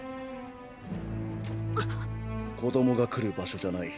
子供が来る場所じゃない。